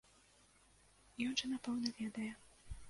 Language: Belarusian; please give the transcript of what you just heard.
Ён жа, напэўна, ведае.